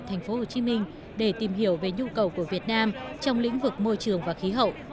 thành phố hồ chí minh để tìm hiểu về nhu cầu của việt nam trong lĩnh vực môi trường và khí hậu